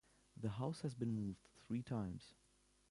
The house has been moved three times.